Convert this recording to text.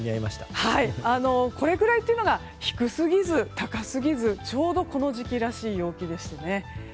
これくらいというのが低すぎず高すぎずちょうどこの時期らしい陽気ですよね。